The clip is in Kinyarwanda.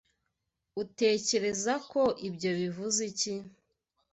Utekereza ko ibyo bivuze iki?